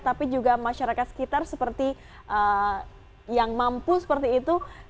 tapi juga masyarakat sekitar seperti yang mampu seperti itu